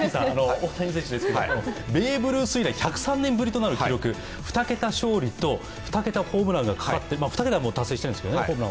大谷選手、ベーブ・ルース以来１０３年ぶりとなる記録、２桁勝利と２桁ホームランがかかっていて、２桁はホームラン、達成しているんですけどね。